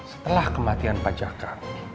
setelah kematian pajaka